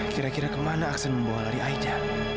kira kira kemana aksan membawa lari aida